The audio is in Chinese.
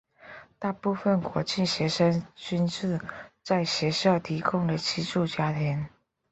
大部分国际学生均住在学校提供的寄住家庭。